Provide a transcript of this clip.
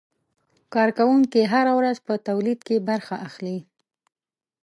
کارکوونکي هره ورځ په تولید کې برخه اخلي.